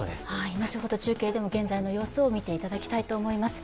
後ほど中継でも現在の様子を見ていただきたいと思います。